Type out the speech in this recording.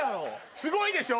すごいでしょ？